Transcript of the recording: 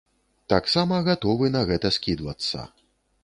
Таксама гатовы на гэта скідвацца.